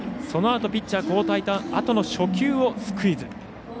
そのあとピッチャー交代のあとの初球をスクイズ。